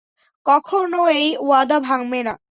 কখনো এই ওয়াদা ভাঙবে না!